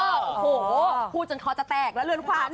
โอ้โหพูดจนคอจะแตกแล้วเรือนขวัญ